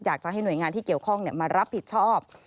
อยากจะให้หน่วยงานที่เกี่ยวข้องมารับผิดชอบ